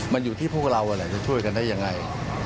มันอยู่ที่พวกเราอะไรจะช่วยกันได้อย่างไร